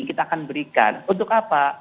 kita akan berikan untuk apa